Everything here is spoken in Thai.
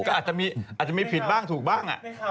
ก็อาจจะมีผิดบ้างถูกบ้าง